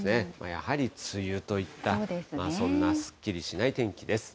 やはり梅雨といった、そんなすっきりしない天気です。